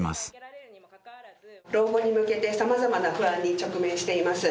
老後に向けてさまざまな不安に直面しています。